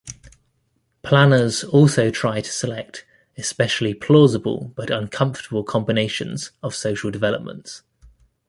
Planners also try to select especially plausible but uncomfortable combinations of social developments.